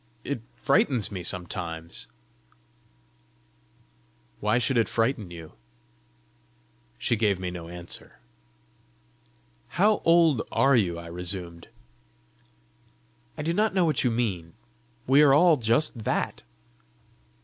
It frightens me sometimes." "Why should it frighten you?" She gave me no answer. "How old are you?" I resumed. "I do not know what you mean. We are all just that."